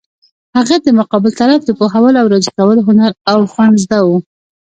هغه د مقابل طرف د پوهولو او راضي کولو هنر او فن زده وو.